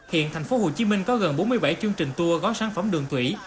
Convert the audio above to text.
hiện thành phố hồ chí minh có gần bốn mươi bảy chương trình tour gói sản phẩm đường thủy